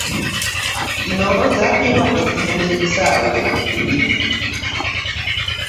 Zino zaalina okuzimba ebisaawe bibiri